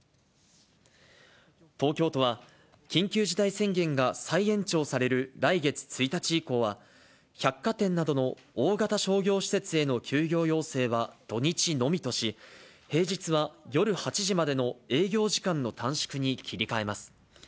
東京都は、緊急事態宣言が再延長される来月１日以降は、百貨店などの大型商業施設への休業要請は土日のみとし、平日は夜８時までの営業時間の短縮に切り替えます。